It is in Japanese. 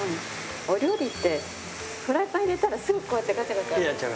お料理ってフライパン入れたらすぐこうやってガチャガチャ。